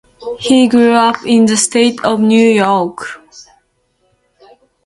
He grew up in the state of New York.